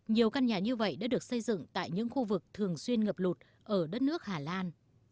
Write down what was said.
nhiều căn nhà như vậy đã được xây dựng tại những khu vực thường xuyên ngập lụt ở đất nước hà lan